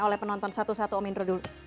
oleh penonton satu satu om indro dulu